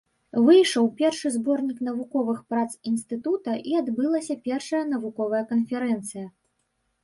Выйшаў першы зборнік навуковых прац інстытута і адбылася першая навуковая канферэнцыя.